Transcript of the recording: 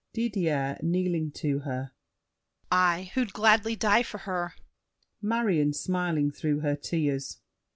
DIDIER (kneeling to her). I, who'd gladly die for her! MARION (smiling through her tears).